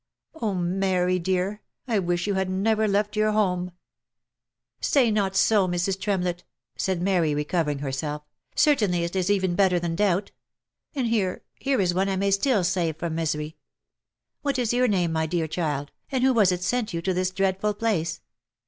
Oh, Mary, dear, I wish you had never left your home !"" Say not so, Mrs. Tremlett," said Mary, recovering herself, " cer tainty is ever better than doubt — and here, here is one I may still save from misery. What is your name, my dear child, and who was it sent you to this dreadful place